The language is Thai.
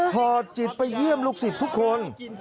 อดจิตไปเยี่ยมลูกศิษย์ทุกคน